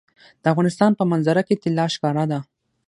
د افغانستان په منظره کې طلا ښکاره ده.